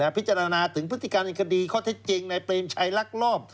พิจารณาถึงพฤติการในคดีข้อเท็จจริงในเปรมชัยลักลอบ